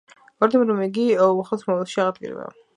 ვარაუდობენ, რომ იგი უახლოეს მომავალში აღდგება.